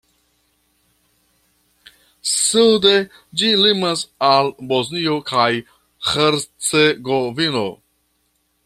Sude ĝi limas al Bosnio kaj Hercegovino.